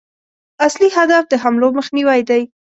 اصلي هدف د حملو مخنیوی دی.